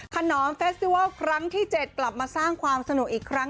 ขนอมเฟสติวัลครั้งที่๗กลับมาสร้างความสนุกอีกครั้ง